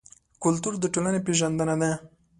کلتور د ټولنې پېژندنه ده.